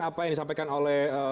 apa yang disampaikan oleh